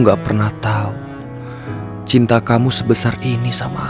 aku gak tau cinta itu begitu kejam